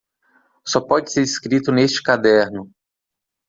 Só pode ser escrito neste caderno